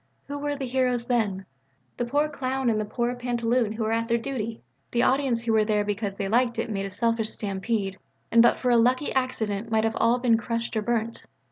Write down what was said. Who were the heroes then? The poor clown and the poor pantaloon who were at their duty! The audience who were there because they liked it made a selfish stampede, and but for a lucky accident might all have been crushed or burnt.